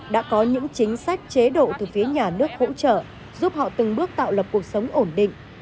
đã có những chính sách chế độ từ phía nhà nước hỗ trợ giúp họ từng bước tạo lập cuộc sống ổn định